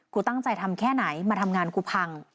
กูตั้งใจทำแค่ไหนมาทำงานกูพัง